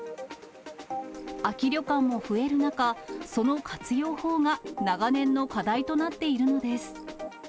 空き旅館も増える中、その活用法が長年の課題となっているのです。